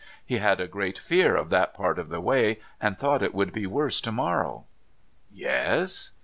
He had a great fear of that part of the way, and thought it would be worse to morrow.' 'Yes?'